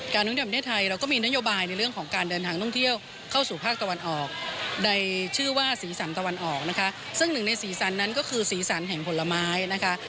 การท่องเที่ยวประเทศไทยเราก็มีนโยบาย